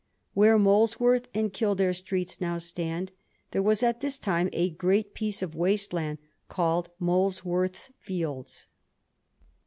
Where Molesworth and Kildare Streets now stand there was At this time a great piece of waste land called Moles worth Fields.